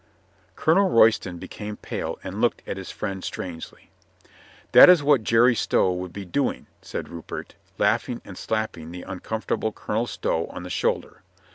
Colonel Royston became pale and looked at his friend strangely. "That is what Jerry Stow would be doing," said Rupert, laughing and slapping the uncomfortable Colonel Stow on the shoulder.